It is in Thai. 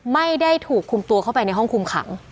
ไม่ได้ถูกคุมตัวเข้าไปในห้องคุมขัง